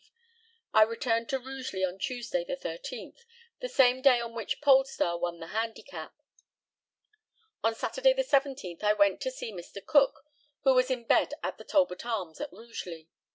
I returned to Rugeley on Tuesday, the 13th, the same day on which Polestar won the handicap. On Saturday, the 17th, I went to see Mr. Cook, who was in bed at the Talbot Arms, at Rugeley.